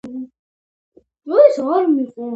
გამოყენებულია ბევრი ჩასაბერი ინსტრუმენტი.